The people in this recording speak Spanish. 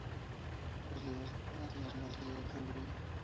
Sus libros están entre los más leídos en Hungría.